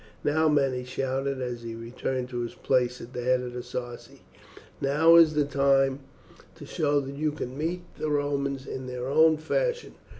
Now, men," he shouted as he returned to his place at the head of the Sarci, "now is the time to show that you can meet the Romans in their own fashion.